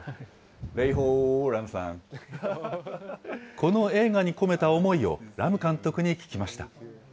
この映画に込めた思いをラム監督に聞きました。